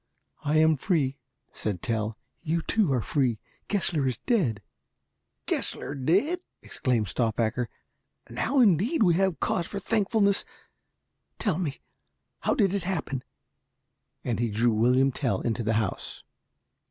"I am free," said Tell; "you, too, are free. Gessler is dead." "Gessler dead!" exclaimed Stauffacher. "Now indeed have we cause for thankfulness. Tell me, how did it happen?" and he drew William Tell into the house.